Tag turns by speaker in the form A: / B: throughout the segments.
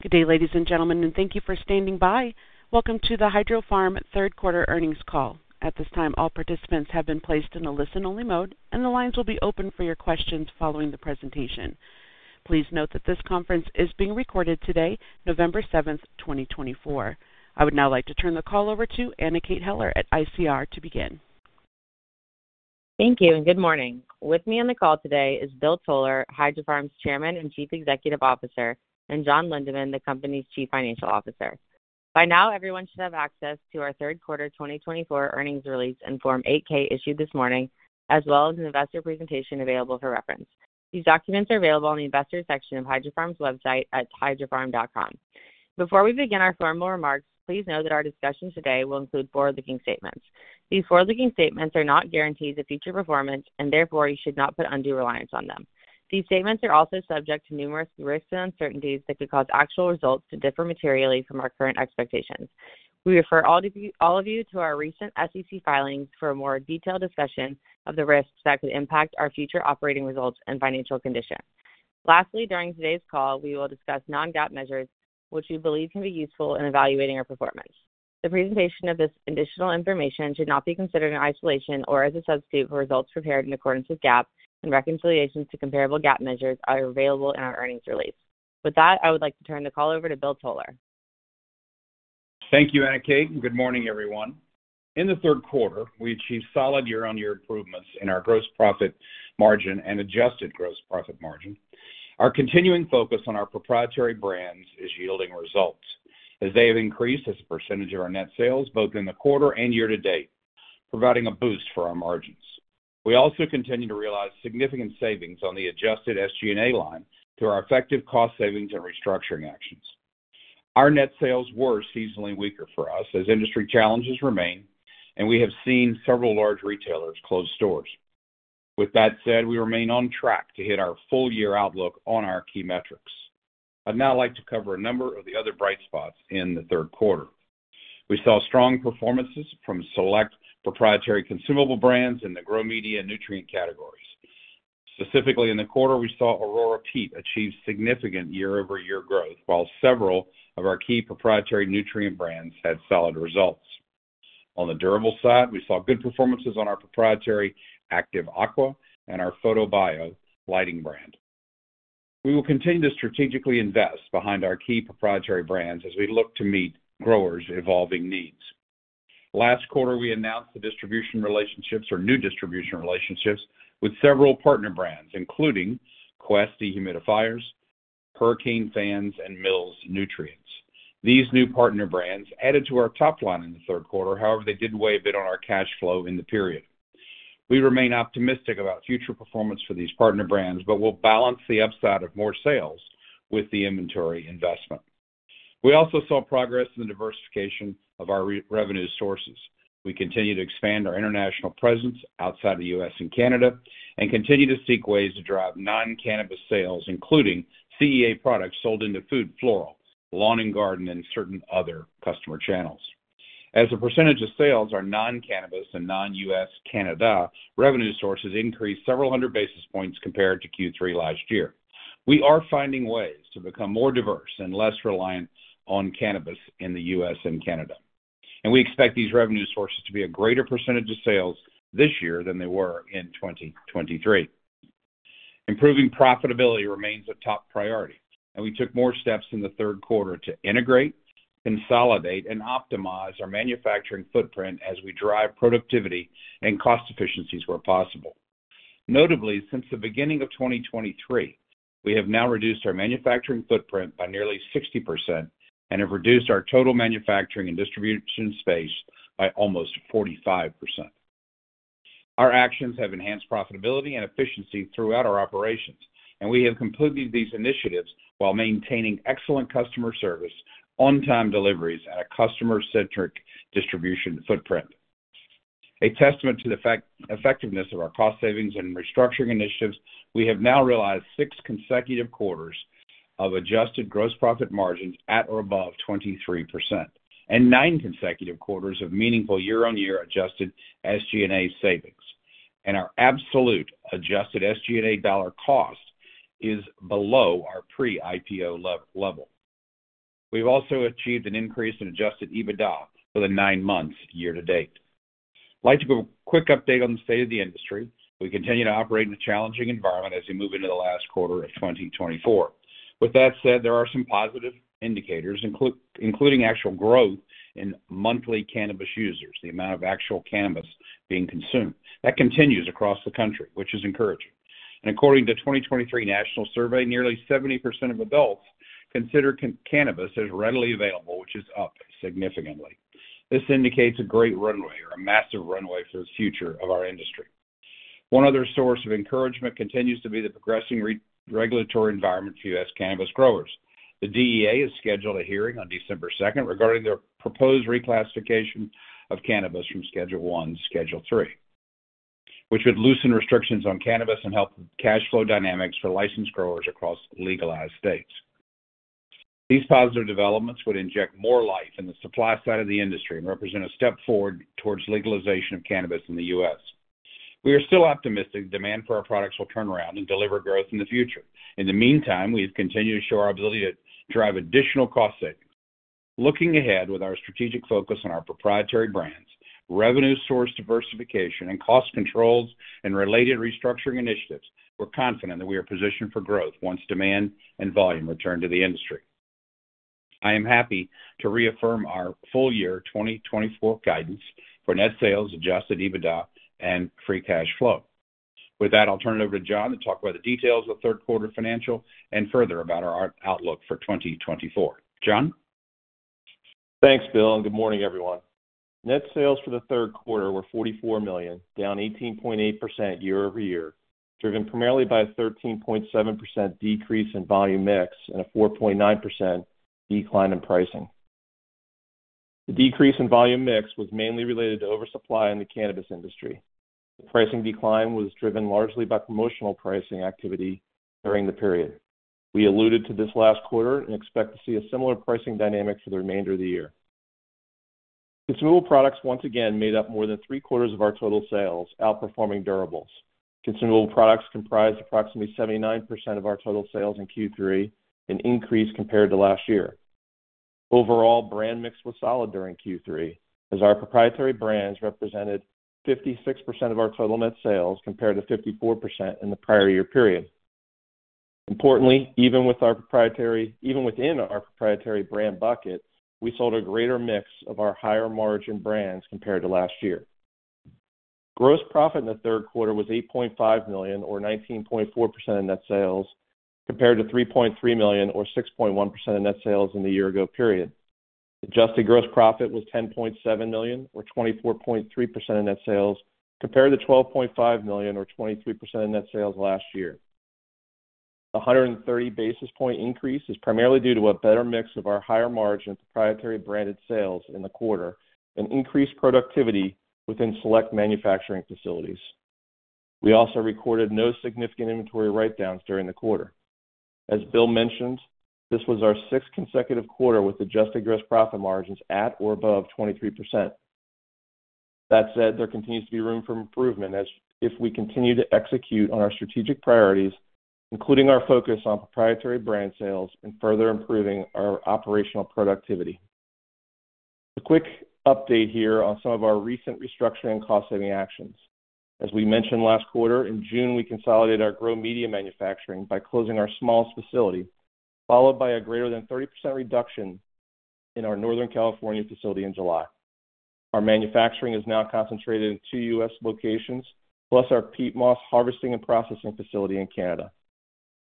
A: Good day, ladies and gentlemen, and thank you for standing by. Welcome to the Hydrofarm Third Quarter Earnings Call. At this time, all participants have been placed in a listen-only mode, and the lines will be open for your questions following the presentation. Please note that this conference is being recorded today, November 7th, 2024. I would now like to turn the call over to Anna Kate Heller at ICR to begin.
B: Thank you, and good morning. With me on the call today is Bill Toler, Hydrofarm's Chairman and Chief Executive Officer, and John Lindeman, the company's Chief Financial Officer. By now, everyone should have access to our Third Quarter 2024 earnings release and Form 8-K issued this morning, as well as an investor presentation available for reference. These documents are available in the investor section of Hydrofarm's website at hydrofarm.com. Before we begin our formal remarks, please note that our discussion today will include forward-looking statements. These forward-looking statements are not guarantees of future performance, and therefore you should not put undue reliance on them. These statements are also subject to numerous risks and uncertainties that could cause actual results to differ materially from our current expectations. We refer all of you to our recent SEC filings for a more detailed discussion of the risks that could impact our future operating results and financial condition. Lastly, during today's call, we will discuss non-GAAP measures, which we believe can be useful in evaluating our performance. The presentation of this additional information should not be considered in isolation or as a substitute for results prepared in accordance with GAAP, and reconciliations to comparable GAAP measures are available in our earnings release. With that, I would like to turn the call over to Bill Toler.
C: Thank you, Anna Kate, and good morning, everyone. In the third quarter, we achieved solid year-on-year improvements in our gross profit margin and adjusted gross profit margin. Our continuing focus on our proprietary brands is yielding results, as they have increased as a percentage of our net sales both in the quarter and year to date, providing a boost for our margins. We also continue to realize significant savings on the adjusted SG&A line through our effective cost savings and restructuring actions. Our net sales were seasonally weaker for us as industry challenges remain, and we have seen several large retailers close stores. With that said, we remain on track to hit our full-year outlook on our key metrics. I'd now like to cover a number of the other bright spots in the third quarter. We saw strong performances from select proprietary consumable brands in the grow media and nutrient categories. Specifically, in the quarter, we saw Aurora Peat achieve significant year-over-year growth, while several of our key proprietary nutrient brands had solid results. On the durable side, we saw good performances on our proprietary Active Aqua and our PHOTOBIO lighting brand. We will continue to strategically invest behind our key proprietary brands as we look to meet growers' evolving needs. Last quarter, we announced the distribution relationships, or new distribution relationships, with several partner brands, including Quest Dehumidifiers, Hurricane Fans, and Mills Nutrients. These new partner brands added to our top line in the third quarter. However, they did weigh a bit on our cash flow in the period. We remain optimistic about future performance for these partner brands, but we'll balance the upside of more sales with the inventory investment. We also saw progress in the diversification of our revenue sources. We continue to expand our international presence outside the U.S. and Canada and continue to seek ways to drive non-cannabis sales, including CEA products sold into food, floral, lawn and garden, and certain other customer channels. As a percentage of sales are non-cannabis and non-U.S./Canada, revenue sources increased several hundred basis points compared to Q3 last year. We are finding ways to become more diverse and less reliant on cannabis in the U.S. and Canada, and we expect these revenue sources to be a greater percentage of sales this year than they were in 2023. Improving profitability remains a top priority, and we took more steps in the third quarter to integrate, consolidate, and optimize our manufacturing footprint as we drive productivity and cost efficiencies where possible. Notably, since the beginning of 2023, we have now reduced our manufacturing footprint by nearly 60% and have reduced our total manufacturing and distribution space by almost 45%. Our actions have enhanced profitability and efficiency throughout our operations, and we have completed these initiatives while maintaining excellent customer service, on-time deliveries, and a customer-centric distribution footprint. A testament to the effectiveness of our cost savings and restructuring initiatives, we have now realized six consecutive quarters of adjusted gross profit margins at or above 23% and nine consecutive quarters of meaningful year-on-year adjusted SG&A savings, and our absolute adjusted SG&A dollar cost is below our pre-IPO level. We've also achieved an increase in adjusted EBITDA for the nine months year to date. I'd like to give a quick update on the state of the industry. We continue to operate in a challenging environment as we move into the last quarter of 2024. With that said, there are some positive indicators, including actual growth in monthly cannabis users, the amount of actual cannabis being consumed. That continues across the country, which is encouraging, and according to a 2023 national survey, nearly 70% of adults consider cannabis as readily available, which is up significantly. This indicates a great runway, or a massive runway, for the future of our industry. One other source of encouragement continues to be the progressing regulatory environment for U.S. cannabis growers. The DEA has scheduled a hearing on December 2nd regarding the proposed reclassification of cannabis from Schedule I to Schedule III, which would loosen restrictions on cannabis and help cash flow dynamics for licensed growers across legalized states. These positive developments would inject more life in the supply side of the industry and represent a step forward towards legalization of cannabis in the U.S. We are still optimistic the demand for our products will turn around and deliver growth in the future. In the meantime, we continue to show our ability to drive additional cost savings. Looking ahead with our strategic focus on our proprietary brands, revenue source diversification, and cost controls, and related restructuring initiatives, we're confident that we are positioned for growth once demand and volume return to the industry. I am happy to reaffirm our full-year 2024 guidance for net sales, Adjusted EBITDA, and free cash flow. With that, I'll turn it over to John to talk about the details of the third quarter financial and further about our outlook for 2024. John?
D: Thanks, Bill, and good morning, everyone. Net sales for the third quarter were $44 million, down 18.8% year-over-year, driven primarily by a 13.7% decrease in volume mix and a 4.9% decline in pricing. The decrease in volume mix was mainly related to oversupply in the cannabis industry. The pricing decline was driven largely by promotional pricing activity during the period. We alluded to this last quarter and expect to see a similar pricing dynamic for the remainder of the year. Consumable products once again made up more than three-quarters of our total sales, outperforming durables. Consumable products comprised approximately 79% of our total sales in Q3, an increase compared to last year. Overall, brand mix was solid during Q3, as our proprietary brands represented 56% of our total net sales compared to 54% in the prior year period. Importantly, even within our proprietary brand bucket, we sold a greater mix of our higher margin brands compared to last year. Gross profit in the third quarter was $8.5 million, or 19.4% of net sales, compared to $3.3 million, or 6.1% of net sales in the year-ago period. Adjusted gross profit was $10.7 million, or 24.3% of net sales, compared to $12.5 million, or 23% of net sales last year. The 130 basis point increase is primarily due to a better mix of our higher margin proprietary branded sales in the quarter and increased productivity within select manufacturing facilities. We also recorded no significant inventory write-downs during the quarter. As Bill mentioned, this was our sixth consecutive quarter with adjusted gross profit margins at or above 23%. That said, there continues to be room for improvement if we continue to execute on our strategic priorities, including our focus on proprietary brand sales and further improving our operational productivity. A quick update here on some of our recent restructuring and cost-saving actions. As we mentioned last quarter, in June, we consolidated our grow media manufacturing by closing our smallest facility, followed by a greater than 30% reduction in our Northern California facility in July. Our manufacturing is now concentrated in two U.S. locations, plus our peat moss harvesting and processing facility in Canada.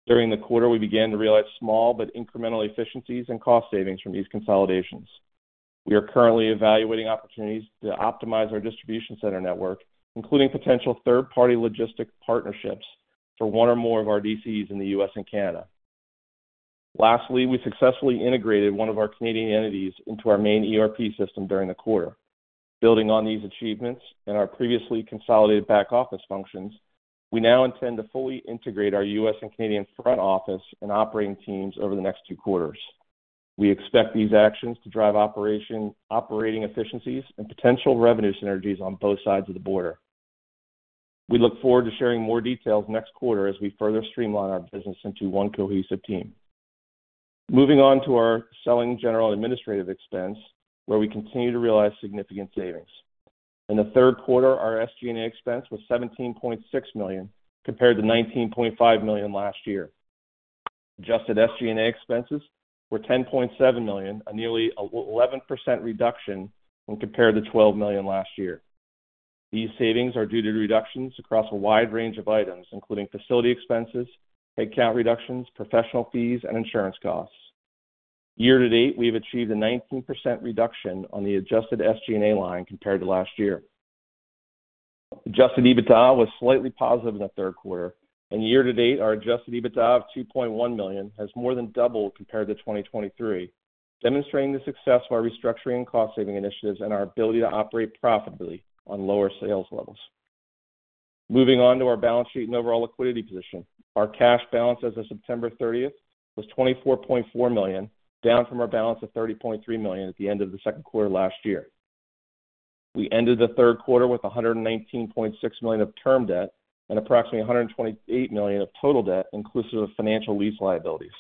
D: During the quarter, we began to realize small but incremental efficiencies and cost savings from these consolidations. We are currently evaluating opportunities to optimize our distribution center network, including potential third-party logistics partnerships for one or more of our DCs in the U.S. and Canada. Lastly, we successfully integrated one of our Canadian entities into our main ERP system during the quarter. Building on these achievements and our previously consolidated back office functions, we now intend to fully integrate our U.S. and Canadian front office and operating teams over the next two quarters. We expect these actions to drive operating efficiencies and potential revenue synergies on both sides of the border. We look forward to sharing more details next quarter as we further streamline our business into one cohesive team. Moving on to our selling, general, and administrative expense, where we continue to realize significant savings. In the third quarter, our SG&A expense was $17.6 million compared to $19.5 million last year. Adjusted SG&A expenses were $10.7 million, a nearly 11% reduction when compared to $12 million last year. These savings are due to reductions across a wide range of items, including facility expenses, headcount reductions, professional fees, and insurance costs. Year to date, we've achieved a 19% reduction on the adjusted SG&A line compared to last year. Adjusted EBITDA was slightly positive in the third quarter, and year to date, our adjusted EBITDA of $2.1 million has more than doubled compared to 2023, demonstrating the success of our restructuring and cost-saving initiatives and our ability to operate profitably on lower sales levels. Moving on to our balance sheet and overall liquidity position, our cash balance as of September 30th was $24.4 million, down from our balance of $30.3 million at the end of the second quarter last year. We ended the third quarter with $119.6 million of term debt and approximately $128 million of total debt, inclusive of financial lease liabilities.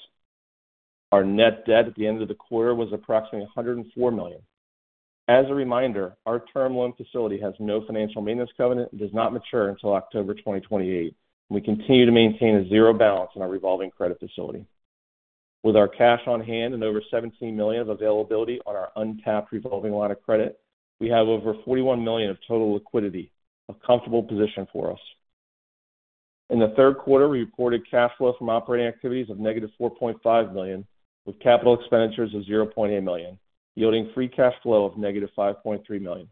D: Our net debt at the end of the quarter was approximately $104 million. As a reminder, our term loan facility has no financial maintenance covenant and does not mature until October 2028, and we continue to maintain a zero balance in our revolving credit facility. With our cash on hand and over $17 million of availability on our untapped revolving line of credit, we have over $41 million of total liquidity, a comfortable position for us. In the third quarter, we reported cash flow from operating activities of -$4.5 million, with capital expenditures of $0.8 million, yielding free cash flow of -$5.3 million.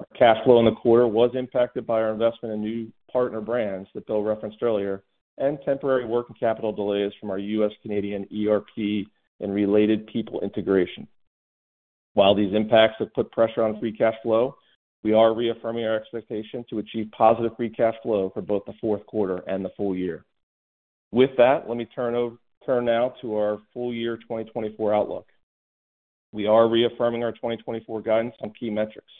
D: Our cash flow in the quarter was impacted by our investment in new partner brands that Bill referenced earlier and temporary work and capital delays from our U.S.-Canadian ERP and related people integration. While these impacts have put pressure on free cash flow, we are reaffirming our expectation to achieve positive free cash flow for both the fourth quarter and the full year. With that, let me turn now to our full-year 2024 outlook. We are reaffirming our 2024 guidance on key metrics.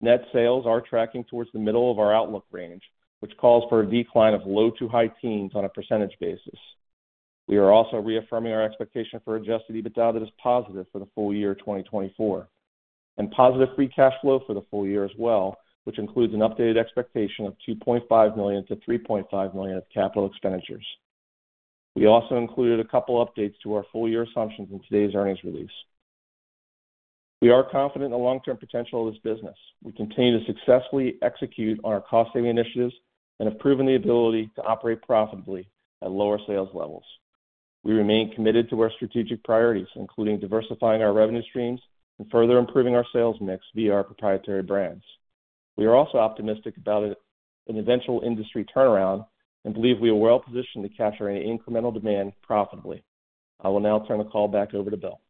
D: Net sales are tracking towards the middle of our outlook range, which calls for a decline of low- to high-teens% on a percentage basis. We are also reaffirming our expectation for Adjusted EBITDA that is positive for the full year 2024, and positive free cash flow for the full year as well, which includes an updated expectation of $2.5 million-$3.5 million of capital expenditures. We also included a couple of updates to our full-year assumptions in today's earnings release. We are confident in the long-term potential of this business. We continue to successfully execute on our cost-saving initiatives and have proven the ability to operate profitably at lower sales levels. We remain committed to our strategic priorities, including diversifying our revenue streams and further improving our sales mix via our proprietary brands. We are also optimistic about an eventual industry turnaround and believe we are well positioned to capture any incremental demand profitably. I will now turn the call back over to Bill.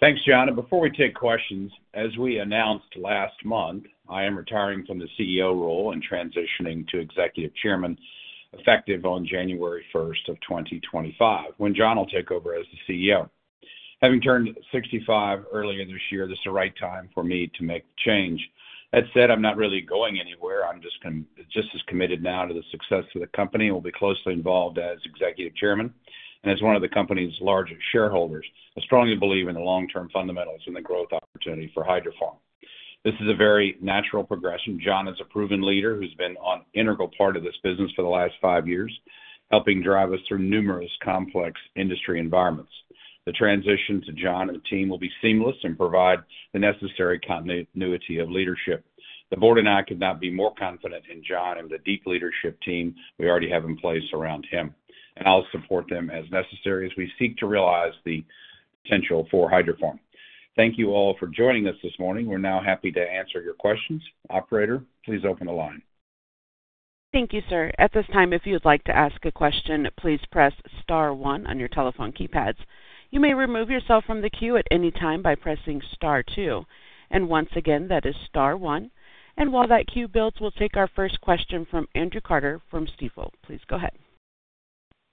C: Thanks, John. And before we take questions, as we announced last month, I am retiring from the CEO role and transitioning to Executive Chairman effective on January 1st of 2025, when John will take over as the CEO. Having turned 65 earlier this year, this is the right time for me to make the change. That said, I'm not really going anywhere. I'm just as committed now to the success of the company and will be closely involved as Executive Chairman and as one of the company's largest shareholders. I strongly believe in the long-term fundamentals and the growth opportunity for Hydrofarm. This is a very natural progression. John is a proven leader who's been an integral part of this business for the last five years, helping drive us through numerous complex industry environments. The transition to John and the team will be seamless and provide the necessary continuity of leadership. The board and I could not be more confident in John and the deep leadership team we already have in place around him. And I'll support them as necessary as we seek to realize the potential for Hydrofarm. Thank you all for joining us this morning. We're now happy to answer your questions. Operator, please open the line.
A: Thank you, sir. At this time, if you'd like to ask a question, please press star one on your telephone keypads. You may remove yourself from the queue at any time by pressing star two. And once again, that is star one. And while that queue builds, we'll take our first question from Andrew Carter from Stifel. Please go ahead.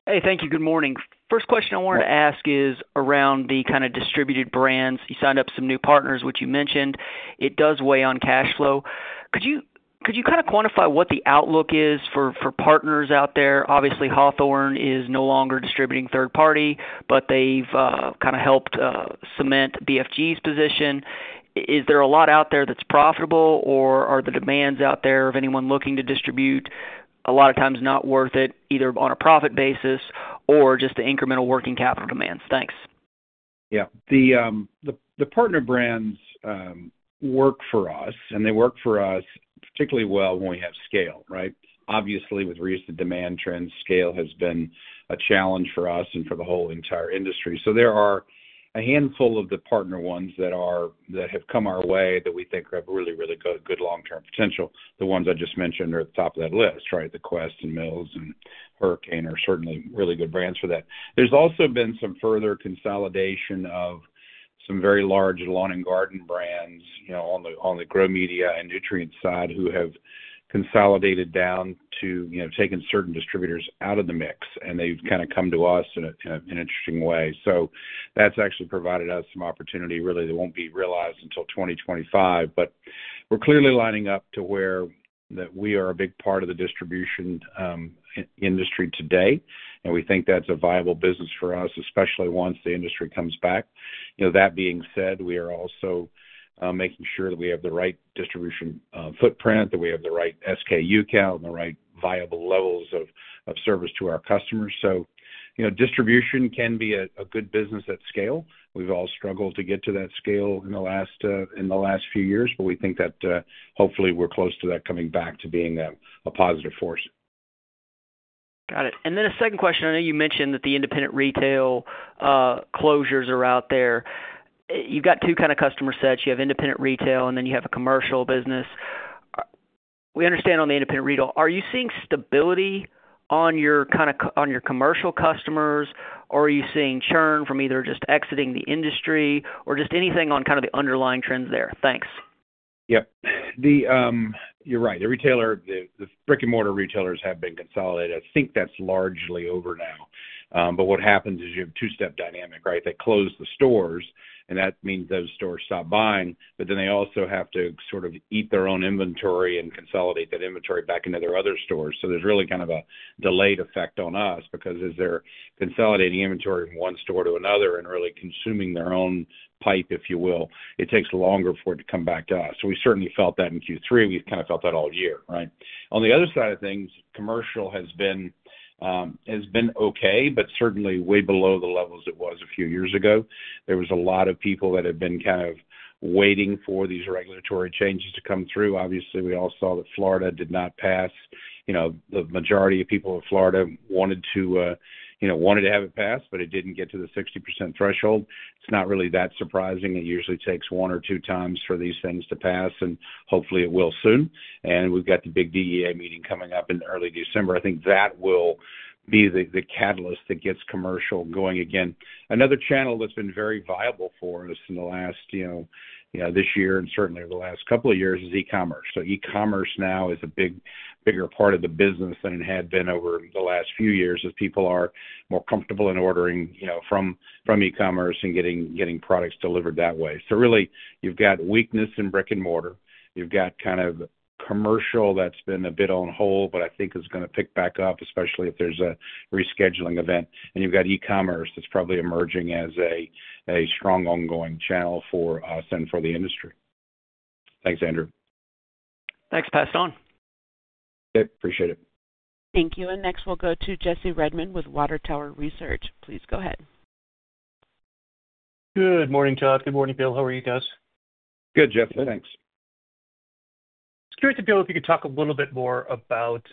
E: Hey, thank you. Good morning. First question I wanted to ask is around the kind of distributed brands. You signed up some new partners, which you mentioned. It does weigh on cash flow. Could you kind of quantify what the outlook is for partners out there? Obviously, Hawthorne is no longer distributing third-party, but they've kind of helped cement BFG's position. Is there a lot out there that's profitable, or are the demands out there of anyone looking to distribute a lot of times not worth it, either on a profit basis or just the incremental working capital demands? Thanks.
D: Yeah. The partner brands work for us, and they work for us particularly well when we have scale, right? Obviously, with recent demand trends, scale has been a challenge for us and for the whole entire industry. So there are a handful of the partner ones that have come our way that we think have really, really good long-term potential. The ones I just mentioned are at the top of that list, right? The Quest and Mills and Hurricane are certainly really good brands for that. There's also been some further consolidation of some very large lawn and garden brands on the grow media and nutrient side who have consolidated down to taking certain distributors out of the mix, and they've kind of come to us in an interesting way. So that's actually provided us some opportunity. Really, it won't be realized until 2025, but we're clearly lining up to where we are a big part of the distribution industry today, and we think that's a viable business for us, especially once the industry comes back. That being said, we are also making sure that we have the right distribution footprint, that we have the right SKU count, and the right viable levels of service to our customers. So distribution can be a good business at scale. We've all struggled to get to that scale in the last few years, but we think that hopefully we're close to that coming back to being a positive force.
E: Got it. And then a second question. I know you mentioned that the independent retail closures are out there. You've got two kind of customer sets. You have independent retail, and then you have a commercial business. We understand on the independent retail, are you seeing stability on your commercial customers, or are you seeing churn from either just exiting the industry or just anything on kind of the underlying trends there? Thanks.
D: Yeah. You're right. The brick-and-mortar retailers have been consolidated. I think that's largely over now. But what happens is you have a two-step dynamic, right? They close the stores, and that means those stores stop buying, but then they also have to sort of eat their own inventory and consolidate that inventory back into their other stores. So there's really kind of a delayed effect on us because as they're consolidating inventory from one store to another and really consuming their own pipe, if you will, it takes longer for it to come back to us. So we certainly felt that in Q3. We kind of felt that all year, right? On the other side of things, commercial has been okay, but certainly way below the levels it was a few years ago. There was a lot of people that had been kind of waiting for these regulatory changes to come through. Obviously, we all saw that Florida did not pass. The majority of people in Florida wanted to have it pass, but it didn't get to the 60% threshold. It's not really that surprising. It usually takes one or two times for these things to pass, and hopefully it will soon, and we've got the big DEA meeting coming up in early December. I think that will be the catalyst that gets commercial going again. Another channel that's been very viable for us in the last this year and certainly the last couple of years is e-commerce, so e-commerce now is a bigger part of the business than it had been over the last few years as people are more comfortable in ordering from e-commerce and getting products delivered that way. So really, you've got weakness in brick-and-mortar. You've got kind of commercial that's been a bit on hold, but I think it's going to pick back up, especially if there's a rescheduling event. And you've got e-commerce that's probably emerging as a strong ongoing channel for us and for the industry. Thanks, Andrew.
E: Thanks. Pass it on.
D: Okay. Appreciate it.
A: Thank you. Next, we'll go to Jesse Redmond with Water Tower Research. Please go ahead.
F: Good morning, John. Good morning, Bill. How are you guys?
D: Good, Jeff. Thanks.
F: I was curious to know if you could talk a little bit more about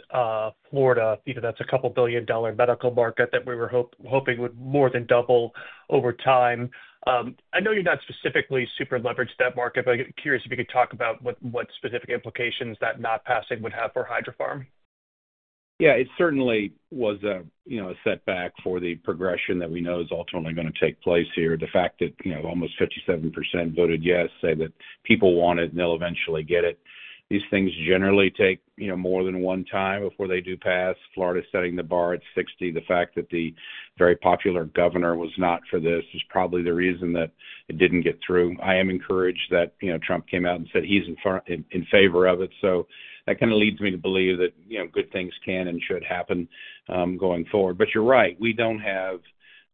F: Florida. That's a $2 billion medical market that we were hoping would more than double over time. I know you're not specifically super leveraged that market, but I'm curious if you could talk about what specific implications that not passing would have for Hydrofarm.
D: Yeah. It certainly was a setback for the progression that we know is ultimately going to take place here. The fact that almost 57% voted yes, say that people want it, and they'll eventually get it. These things generally take more than one time before they do pass. Florida's setting the bar at 60%. The fact that the very popular governor was not for this is probably the reason that it didn't get through. I am encouraged that Trump came out and said he's in favor of it. So that kind of leads me to believe that good things can and should happen going forward. But you're right. We don't have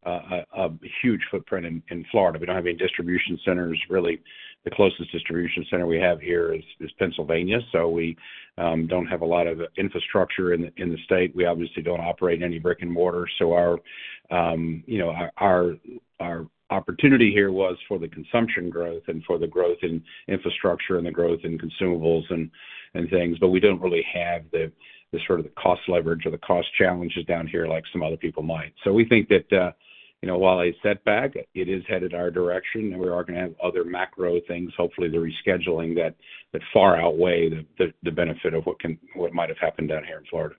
D: a huge footprint in Florida. We don't have any distribution centers. Really, the closest distribution center we have here is Pennsylvania. So we don't have a lot of infrastructure in the state. We obviously don't operate any brick-and-mortar. So our opportunity here was for the consumption growth and for the growth in infrastructure and the growth in consumables and things, but we don't really have the sort of the cost leverage or the cost challenges down here like some other people might. So we think that while a setback, it is headed our direction, and we are going to have other macro things, hopefully the rescheduling, that far outweigh the benefit of what might have happened down here in Florida.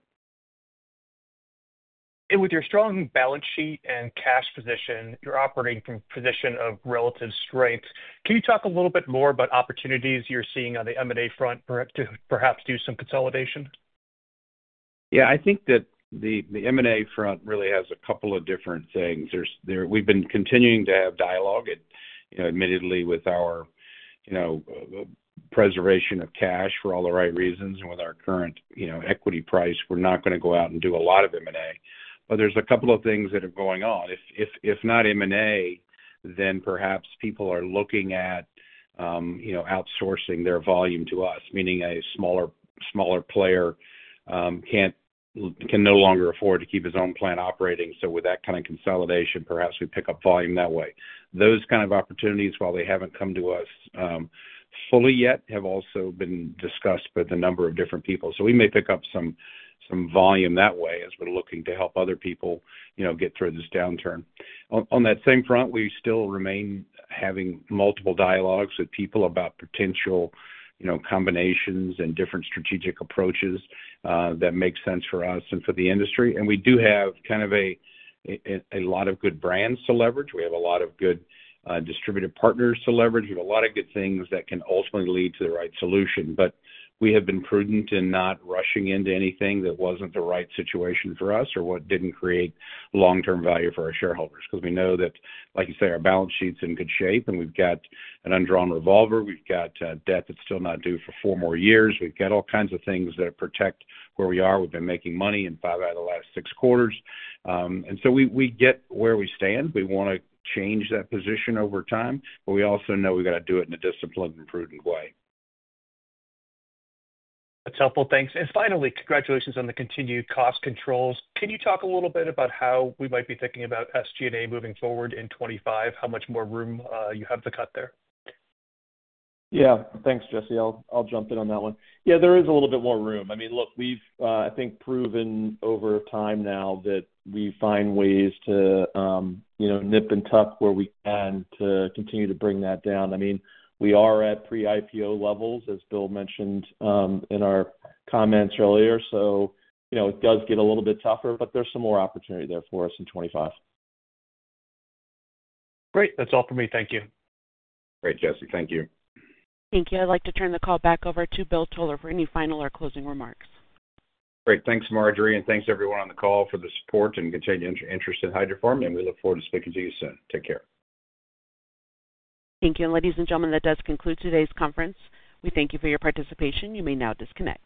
F: And with your strong balance sheet and cash position, you're operating from a position of relative strength. Can you talk a little bit more about opportunities you're seeing on the M&A front to perhaps do some consolidation?
D: Yeah. I think that the M&A front really has a couple of different things. We've been continuing to have dialogue, admittedly, with our preservation of cash for all the right reasons. And with our current equity price, we're not going to go out and do a lot of M&A. But there's a couple of things that are going on. If not M&A, then perhaps people are looking at outsourcing their volume to us, meaning a smaller player can no longer afford to keep his own plant operating. So with that kind of consolidation, perhaps we pick up volume that way. Those kind of opportunities, while they haven't come to us fully yet, have also been discussed by a number of different people. So we may pick up some volume that way as we're looking to help other people get through this downturn. On that same front, we still remain having multiple dialogues with people about potential combinations and different strategic approaches that make sense for us and for the industry. And we do have kind of a lot of good brands to leverage. We have a lot of good distribution partners to leverage. We have a lot of good things that can ultimately lead to the right solution. But we have been prudent in not rushing into anything that wasn't the right situation for us or what didn't create long-term value for our shareholders. Because we know that, like you say, our balance sheet's in good shape, and we've got an undrawn revolver. We've got debt that's still not due for four more years. We've got all kinds of things that protect where we are. We've been making money in five out of the last six quarters. And so we get where we stand. We want to change that position over time, but we also know we've got to do it in a disciplined and prudent way.
F: That's helpful. Thanks. And finally, congratulations on the continued cost controls. Can you talk a little bit about how we might be thinking about SG&A moving forward in 2025, how much more room you have to cut there?
D: Yeah. Thanks, Jesse. I'll jump in on that one. Yeah, there is a little bit more room. I mean, look, we've, I think, proven over time now that we find ways to nip and tuck where we can to continue to bring that down. I mean, we are at pre-IPO levels, as Bill mentioned in our comments earlier. So it does get a little bit tougher, but there's some more opportunity there for us in 2025.
F: Great. That's all for me. Thank you.
C: Great, Jesse. Thank you.
A: Thank you. I'd like to turn the call back over to Bill Toler for any final or closing remarks.
C: Great. Thanks, Marjorie, and thanks everyone on the call for the support and continued interest in Hydrofarm. And we look forward to speaking to you soon. Take care.
A: Thank you. And ladies and gentlemen, that does conclude today's conference. We thank you for your participation. You may now disconnect.